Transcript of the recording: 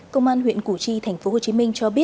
công an huyện củ chi tp hcm